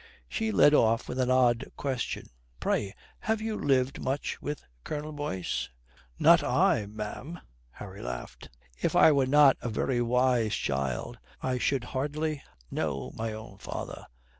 She led off with an odd question, "Pray, have you lived much with Colonel Boyce?" "Not I, ma'am." Harry laughed. "If I were not a very wise child I should hardly know my own father.